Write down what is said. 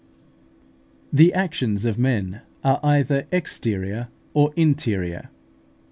The actions of men are either exterior or interior.